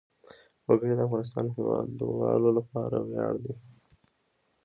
وګړي د افغانستان د هیوادوالو لپاره ویاړ دی.